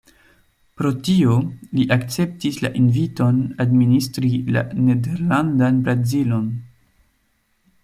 Pro tio, li akceptis la inviton administri la Nederlandan Brazilon.